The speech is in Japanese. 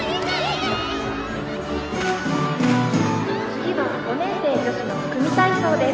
「次は５年生女子の組み体操です」。